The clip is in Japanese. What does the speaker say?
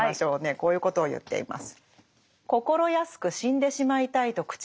こういうことを言っています。